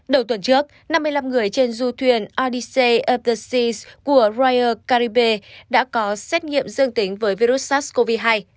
đầu tuần trước năm mươi năm người trên du thuyền odyssey of the seas của royal caribbean đã có xét nghiệm dương tính với virus sars cov hai